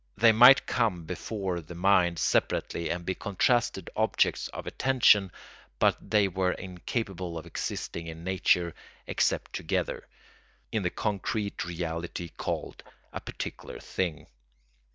They might come before the mind separately and be contrasted objects of attention, but they were incapable of existing in nature except together, in the concrete reality called a particular thing.